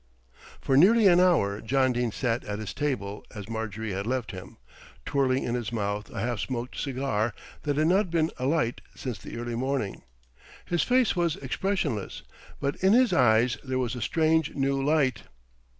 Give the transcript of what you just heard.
For nearly an hour John Dene sat at his table as Marjorie had left him, twirling in his mouth a half smoked cigar that had not been alight since the early morning. His face was expressionless, but in his eyes there was a strange new light.